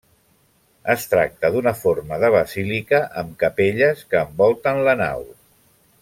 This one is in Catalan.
Es tracta d'una forma de basílica amb capelles que envolten la nau.